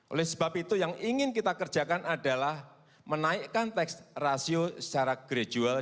oleh sebab itu yang ingin kita kerjakan adalah menaikkan tax ratio secara gradual